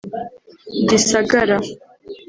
Gisagara